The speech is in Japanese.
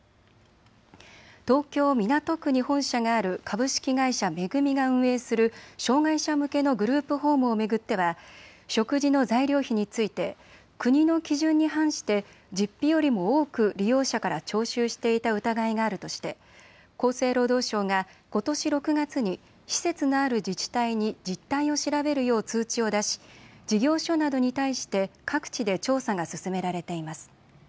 東京港区に本社がある株式会社恵が運営する障害者向けのグループホームを巡っては食事の材料費について国の基準に反して実費よりも多く利用者から徴収していた疑いがあるとして厚生労働省がことし６月に施設のある自治体に実態を調べるよう通知を出し事業所などに対して各地で調査が進められています。